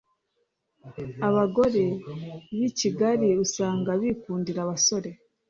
abagore bikigali usanga bikundira abasore